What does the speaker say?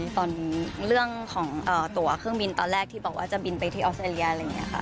ตอนเรื่องของตัวเครื่องบินตอนแรกที่บอกว่าจะบินไปที่ออสเตรเลียอะไรอย่างนี้ค่ะ